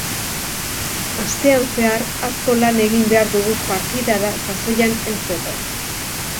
Astean zehar asko lan egin behar dugu partidara sasoian heltzeko.